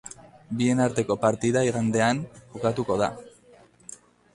Bien arteko partida igandean jokatuko da.